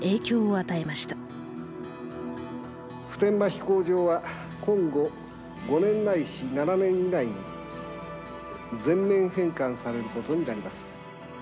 普天間飛行場は今後５年ないし７年以内に全面返還されることになります。